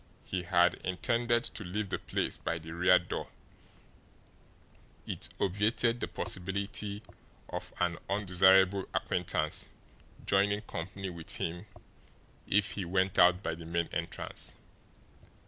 He had intended to leave the place by the rear door it obviated the possibility of an undesirable acquaintance joining company with him if he went out by the main entrance.